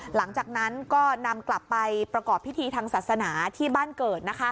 หลังจากนั้นก็นำกลับไปประกอบพิธีทางศาสนาที่บ้านเกิด